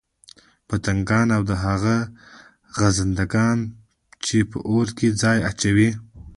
پتنگان او هغه خزندګان چې په اور كي ځان اچوي